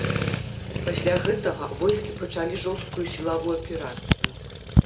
Пасля гэтага войскі пачалі жорсткую сілавую аперацыю.